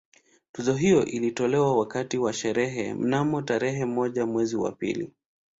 Tuzo hiyo ilitolewa wakati wa sherehe mnamo tarehe moja mwezi wa pili